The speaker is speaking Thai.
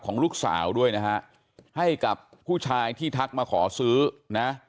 ของลูกสาวด้วยนะฮะให้กับผู้ชายที่ทักมาขอซื้อนะ